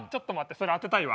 それ当てたいわ。